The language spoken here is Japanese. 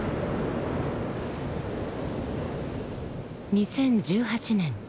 ２０１８年